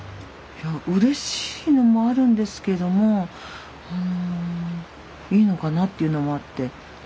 いやうれしいのもあるんですけどもいいのかなっていうのもあって。